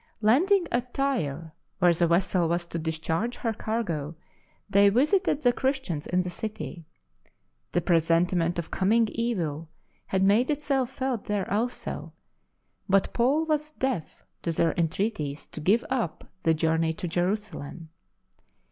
Landing at Tyre, where the vessel was to discharge her cargo, they visited the Christians in the city. The presentiment of coming evil had made itself felt there also, but Paul was deaf to their entreaties to give up the journey to Jerusalem.